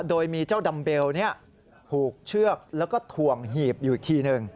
โดยมีเจ้าดัมเบลผูกเชือกแล้วก็ถ่วงหีบอยู่อีกทีหนึ่ง